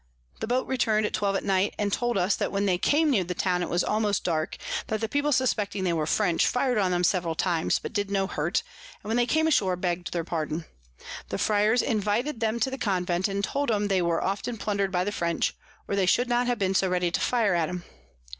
The Boat return'd at twelve at night, and told us that when they came near the Town it was almost dark; that the People suspecting they were French, fir'd on 'em several times, but did no hurt, and when they came ashore begg'd their pardon. The Fryars invited them to the Convent, and told 'em they were often plunder'd by the French, or they should not have been so ready to fire at 'em.